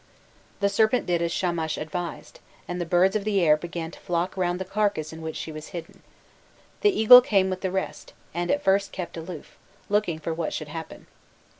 The serpent did as Shamash advised, and the birds of the air began to flock round the carcase in which she was hidden. The eagle came with the rest, and at first kept aloof, looking for what should happen.